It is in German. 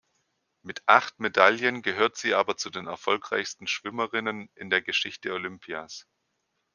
Mit acht Medaillen gehört sie aber zu den erfolgreichsten Schwimmerinnen in der Geschichte Olympias.